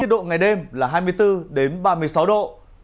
nhiệt độ ngày đêm là hai mươi bốn đến ba mươi sáu độ